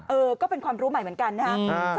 เออก็เป็นความรู้ใหม่เหมือนกันนะครับ